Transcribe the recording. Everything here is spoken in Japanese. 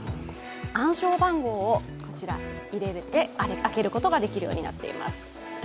暗証番号を入れて開けることができるようになっています。